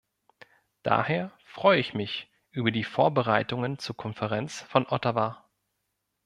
Daher freue ich mich über die Vorbereitungen zur Konferenz von Ottawa.